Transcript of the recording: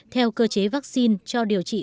theo cơ chế vaccine cho điều trị